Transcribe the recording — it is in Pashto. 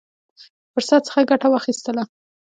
فرصت څخه ګټه واخیستله.